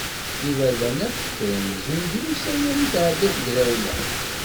Iberdan akk kkren, zun drus aya mi tɛedda tegrewla.